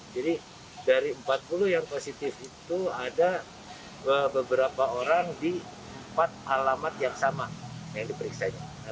jadi dari empat puluh yang positif itu ada beberapa orang di empat alamat yang sama yang diperiksa